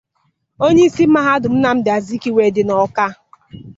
onyeisi mahadum Nnamdị Azikiwe dị n'Awka